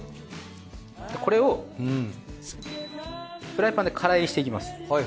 これをフライパンで乾煎りしていきます。